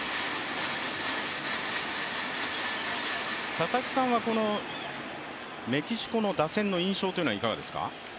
佐々木さんは、このメキシコの打線の印象というのはいかがですか？